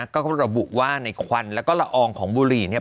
ก็ระบุว่าในควันแล้วก็ละอองของบุหรี่เนี่ย